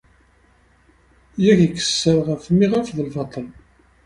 Yak ikkes sser ɣef miɣaf d lbaṭel.